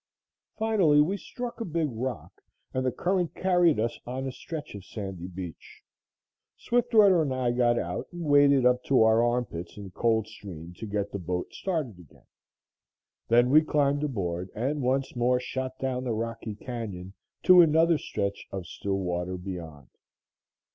Finally we struck a big rock and the current carried us on a stretch of sandy beach. Swiftwater and I got out and waded up to our armpits in the cold stream to get the boat started again. Then we climbed aboard and once more shot down the rocky canyon to another stretch of still water beyond.